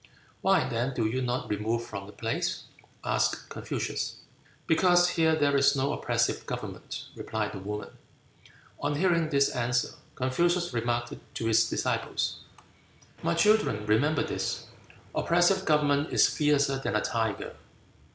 "Why, then, do you not remove from the place?" asked Confucius. "Because here there is no oppressive government," replied the woman. On hearing this answer, Confucius remarked to his disciples, "My children remember this, oppressive government is fiercer than a tiger."